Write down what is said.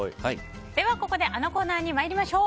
では、ここであのコーナーに参りましょう。